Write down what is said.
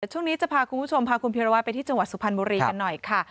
ช่วงนี้จะพาคุณผู้ชมพาคุณพิรวัตรไปที่จังหวัดสุพรรณบุรีกันหน่อยค่ะ